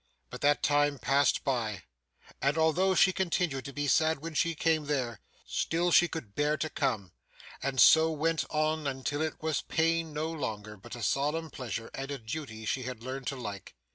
But that time passed by, and although she continued to be sad when she came there, still she could bear to come, and so went on until it was pain no longer, but a solemn pleasure, and a duty she had learned to like.